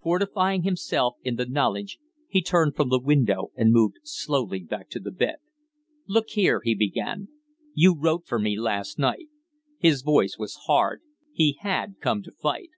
Fortifying himself in the knowledge, he turned from the window and moved slowly back to the bed. "Look here," he began, "you wrote for me last night " His voice was hard; he had come to fight.